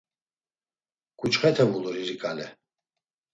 Ǩuçxete vulur iriǩale.